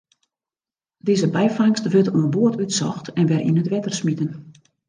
Dizze byfangst wurdt oan board útsocht en wer yn it wetter smiten.